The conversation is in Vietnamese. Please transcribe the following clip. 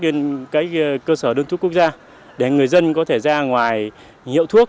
trên cơ sở đơn thuốc quốc gia để người dân có thể ra ngoài hiệu thuốc